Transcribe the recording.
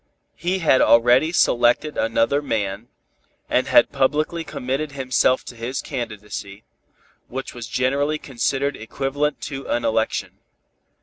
He had already selected another man, and had publicly committed himself to his candidacy, which was generally considered equivalent to an election.